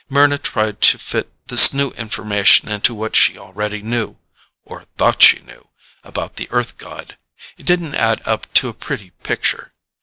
Mryna tried to fit this new information into what she already knew or thought she knew about the Earth god. It didn't add up to a pretty picture.